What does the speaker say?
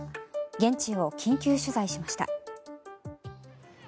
現地を緊急取材しました。